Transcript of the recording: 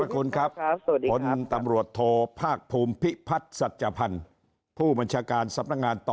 ครับพี่ครับขอบพระคุณครับสวัสดีครับ